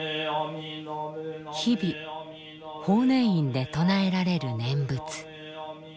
日々法然院で唱えられる念仏。